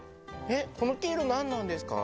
この黄色、何なんですか？